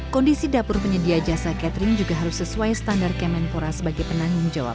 kondisi dapur penyedia jasa catering juga harus sesuai standar kemenpora sebagai penanggung jawab